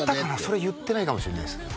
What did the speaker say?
それ言ってないかもしれないですね